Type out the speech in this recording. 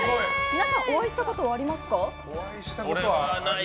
皆さんお会いしたことはありますか？